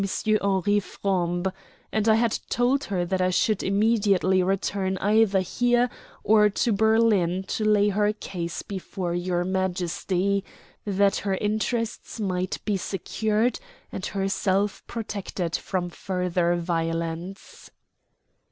Henri Frombe; and I had told her that I should immediately return either here or to Berlin to lay her case before your Majesty, that her interests might be secured and herself protected from further violence."